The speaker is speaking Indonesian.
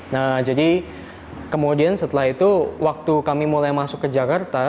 nah jadi kemudian setelah itu waktu kami mulai masuk ke jakarta